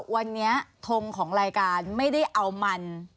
วันนี้ทงของรายการไม่ได้เอามัน